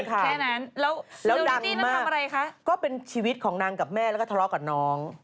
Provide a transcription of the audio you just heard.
ก็เป็นชีวิตของนางกับแม่แล้วก็ทะเลาะกับน้อง